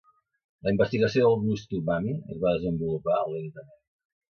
La investigació del gust umami es va desenvolupar lentament.